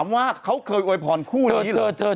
ฉันไม่โอยพรแล้วเดี๋ยวนี้